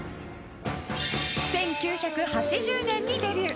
１９８０年にデビュー。